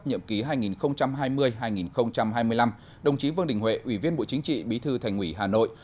nhiệm ký hai nghìn hai mươi hai nghìn hai mươi năm đồng chí vương đình huệ ủy viên bộ chính trị bí thư thành ủy hà nội